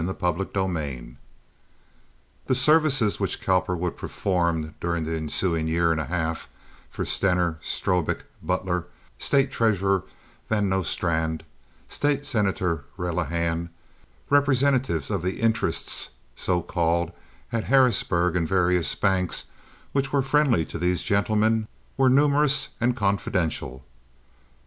Chapter XXII The services which Cowperwood performed during the ensuing year and a half for Stener, Strobik, Butler, State Treasurer Van Nostrand, State Senator Relihan, representative of "the interests," so called, at Harrisburg, and various banks which were friendly to these gentlemen, were numerous and confidential.